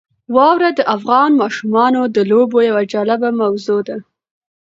واوره د افغان ماشومانو د لوبو یوه جالبه موضوع ده.